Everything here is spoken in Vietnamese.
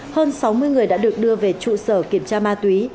hơn sáu mươi người đã được đưa về trụ sở kiểm tra ma túy